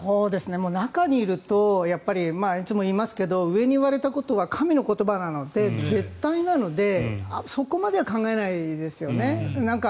中にいるといつも言いますが上に言われたことは神の言葉なので、絶対なのでそこまでは考えないですよね。